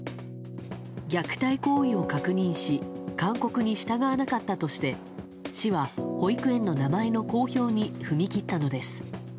虐待行為を確認し勧告に従わなかったとして市は保育園の名前の公表に踏み切ったのです。